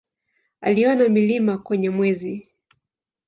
Aliona milima kwenye Mwezi.